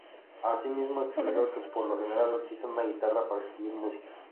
Asimismo, expresó que por lo general utiliza una guitarra para escribir música.